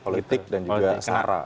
politik dan juga sara